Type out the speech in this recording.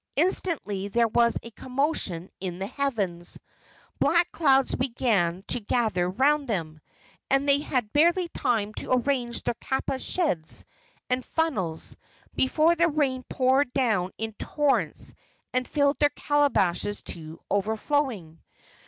Instantly there was a commotion in the heavens. Black clouds began to gather around them, and they had barely time to arrange their kapa sheds and funnels before the rain poured down in torrents and filled their calabashes to overflowing.